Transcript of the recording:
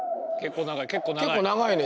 結構長いね。